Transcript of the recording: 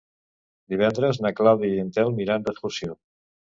Divendres na Clàudia i en Telm iran d'excursió.